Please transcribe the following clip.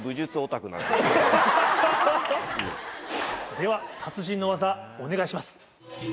では達人の技お願いします。